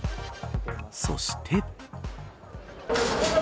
そして。